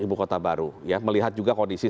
ibu kota baru ya melihat juga kondisi